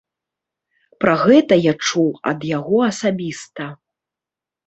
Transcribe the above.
Пра гэта я чуў ад яго асабіста.